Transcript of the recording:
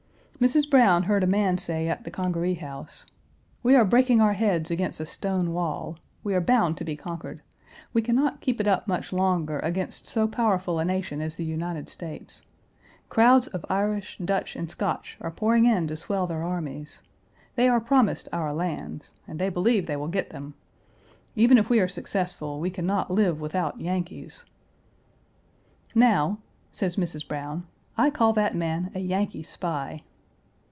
Mrs. Browne heard a man say at the Congaree House, "We are breaking our heads against a stone wall. We are bound to be conquered. We can not keep it up much longer against so powerful a nation as the United States. Crowds of Irish, Dutch, and Scotch are pouring in to swell their armies. They are promised our lands, and they believe they will get them. Even if we are successful we can not live without Yankees." "Now," says Mrs. Browne, "I call that man a Yankee spy."